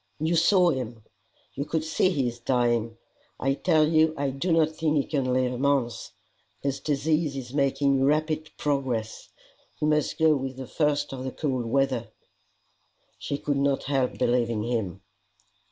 "You saw him; you could see he is dying. I tell you I do not think he can live a month. His disease is making rapid progress. He must go with the first of the cold weather." She could not help believing him.